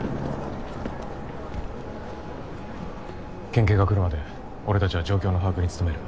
県警が来るまで俺たちは状況の把握に努める。